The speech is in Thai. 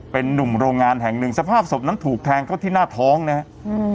เป็นนุ่มโรงงานแห่งหนึ่งสภาพศพนั้นถูกแทงเข้าที่หน้าท้องนะฮะอืม